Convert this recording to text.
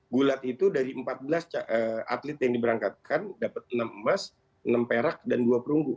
gulat itu dari empat belas atlet yang diberangkatkan dapat enam emas enam perak dan dua perunggu